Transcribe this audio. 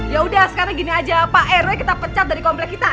ya udah sekarang gini aja pak rw kita pecat dari komplek kita